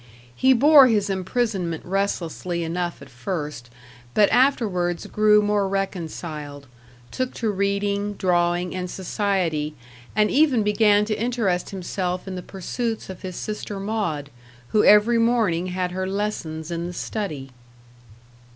He bore his imprisonment restlessly enough at first, but afterwards grew more reconciled took to reading, drawing, and society and even began to interest himself in the pursuits of his sister Maud, who every morning had her lessons in the study.